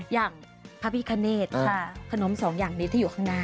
อย่างพระพิคเนธขนมสองอย่างนี้ที่อยู่ข้างหน้า